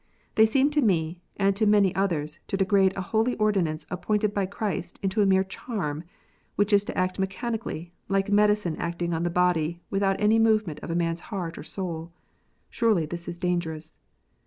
They seem to me, and to many others, to degrade a holy ordinance appointed by Christ into a mere charm, which is to act mechanically, like a medicine acting on the body, without any movement of a man s heart or soul. Surely this is dangerous